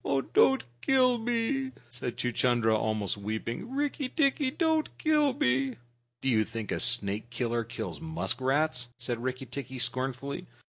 "Don't kill me," said Chuchundra, almost weeping. "Rikki tikki, don't kill me!" "Do you think a snake killer kills muskrats?" said Rikki tikki scornfully.